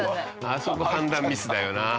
あそこ判断ミスだよな。